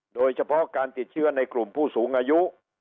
โดยเฉพาะการติดเชื้อในกลุ่มผู้สูงอายุ